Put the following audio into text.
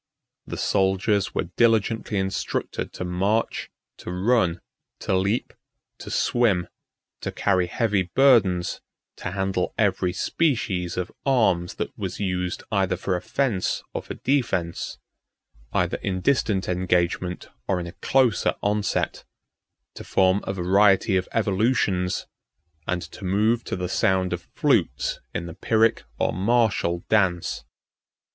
The soldiers were diligently instructed to march, to run, to leap, to swim, to carry heavy burdens, to handle every species of arms that was used either for offence or for defence, either in distant engagement or in a closer onset; to form a variety of evolutions; and to move to the sound of flutes in the Pyrrhic or martial dance.